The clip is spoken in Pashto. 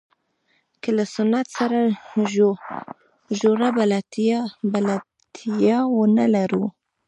که له سنت سره ژوره بلدتیا ونه لرو.